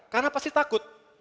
karena pasti takut